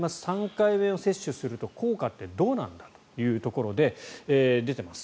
３回目を接種すると、効果ってどうなんだというところで出てます。